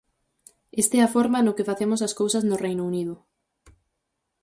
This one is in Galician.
Esta é a forma no que facemos as cousas no Reino Unido.